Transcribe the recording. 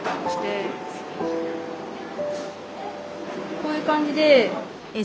こういう感じで。